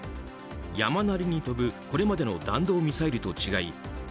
山なりに飛ぶこれまでの弾道ミサイルと違い